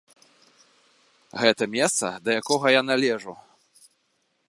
Гэта месца, да якога я належу.